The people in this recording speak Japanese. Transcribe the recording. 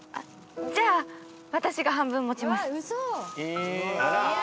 じゃあ私が半分持ちます。